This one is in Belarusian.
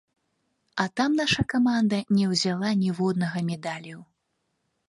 А там наша каманда не ўзяла ніводнага медалю.